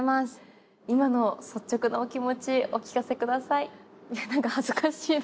今の率直なお気持ち、お聞かせください。